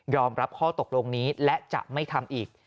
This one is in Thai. รับข้อตกลงนี้และจะไม่ทำอีก